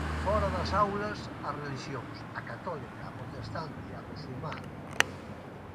Fóra das aulas as relixións: a católica, a protestante, a musulmá.